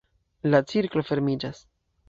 La cirklo fermiĝas!